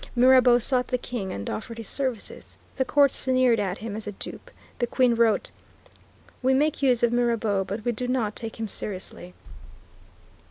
Mirabeau sought the King and offered his services. The court sneered at him as a dupe. The Queen wrote, "We make use of Mirabeau, but we do not take him seriously."